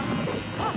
あっ！